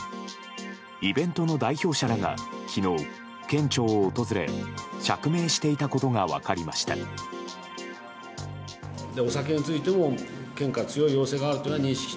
イベントの代表者らが昨日、県庁を訪れ釈明していたことが分かりました。